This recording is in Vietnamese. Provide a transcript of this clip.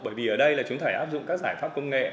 bởi vì ở đây là chúng phải áp dụng các giải pháp công nghệ